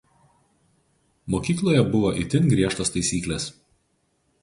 Mokykloje buvo itin griežtos taisyklės.